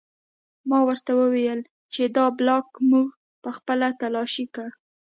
ما ورته وویل چې دا بلاک موږ پخپله تلاشي کړ